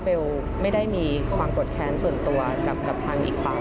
เบลล์ไม่ได้มีความปลอดภัยส่วนตัวกับทางอีกฝ่าย